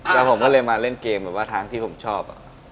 แล้วผมก็เลยมาเล่นเกมแบบว่าทางที่ผมชอบ